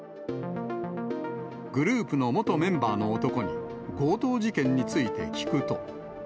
グループの元メンバーの男に、強盗事件について聞くと。